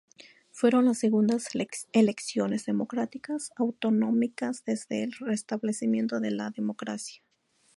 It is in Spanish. Fueron las segundas elecciones democráticas autonómicas desde el restablecimiento de la democracia.